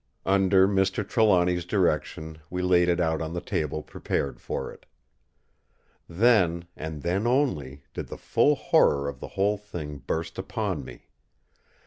Under Mr. Trelawny's direction we laid it out on the table prepared for it. Then, and then only, did the full horror of the whole thing burst upon me!